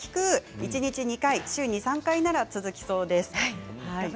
一日２回、週に３回なら続きそうです。